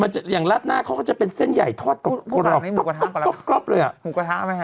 ชื่อร้านอะไรลูก